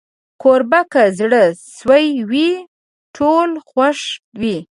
کوربه که زړه سوي وي، ټول خوښ وي.